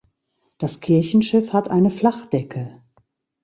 Das Kirchenschiff hat eine Flachdecke.